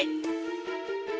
eh lewat sini